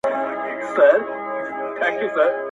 ته له چا څخه په تېښته وارخطا یې!